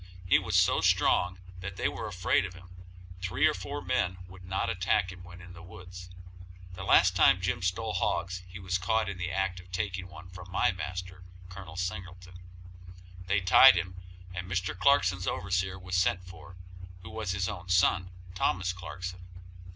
He was so strong that they were afraid of him; three or four men would not attack him when in the woods. The last time Jim stole hogs he was caught in the act of taking one from my master, Col. Singleton. They tied him, and Mr. Clarkson's overseer was sent for, who was his own son, Thomas Clarkson.